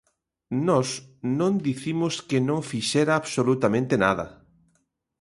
Nós non dicimos que non fixera absolutamente nada.